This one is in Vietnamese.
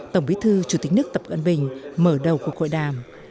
tổng bí thư chủ tịch nước tập cận bình mở đầu cuộc hội đàm